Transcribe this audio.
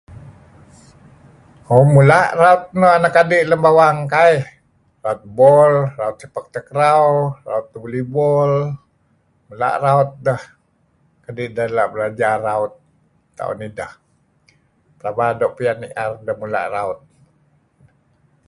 Mo mula' raut anak adi' lem bawang kai. Raut Bol, Raut Sepak Tekraw, Raut Volleyball. Mula' raut deh. Kadi' deh la' belajar raut ta'on ideh. Pelaba doo' pian nier ideh mula' raut.